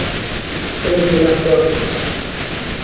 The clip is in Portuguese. ordinatórios